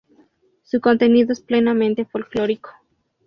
Su contenido es plenamente folklórico.